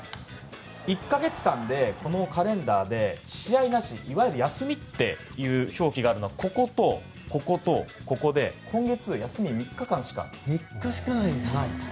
１か月間でこのカレンダーで試合なしいわゆる休みという表記があるのは５日と１９日と２２日で休みが３日間しかないと。